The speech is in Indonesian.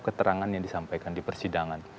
keterangan yang disampaikan di persidangan